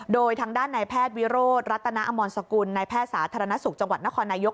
โดยทางด้านในแพทย์วิโรธรัตนาอมรสกุลนายแพทย์สาธารณสุขจังหวัดนครนายก